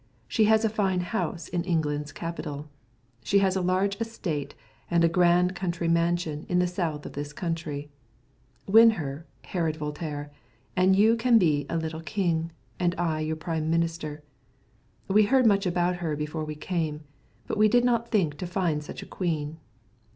She has a fine house in England's capital. She has a large estate and a grand country mansion in the south of this country. Win her, Herod Voltaire, and you can be a little king, and I your prime minister. We heard much about her before we came; but we did not think to find such a queen.